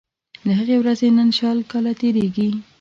له هغې ورځي نن شل کاله تیریږي